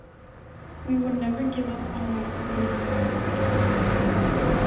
We will never give up on vaccinating more Americans.